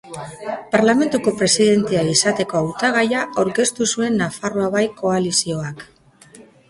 Parlamentuko presidentea izateko hautagaia aurkeztu zuen Nafarroa Bai koalizioak.